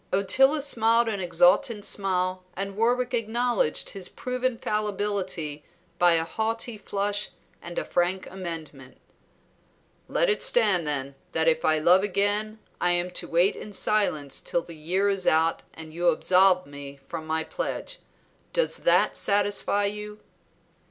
Ottila smiled an exultant smile, and Warwick acknowledged his proven fallibility by a haughty flush and a frank amendment. "Let it stand, then, that if I love again I am to wait in silence till the year is out and you absolve me from my pledge. Does that satisfy you?"